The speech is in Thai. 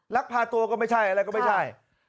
รักภาษาตัวก็ไม่ใช่อะไรก็ไม่ใช่ครับ